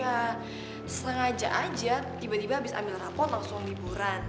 ya sengaja aja tiba tiba abis ambil rapot langsung liburan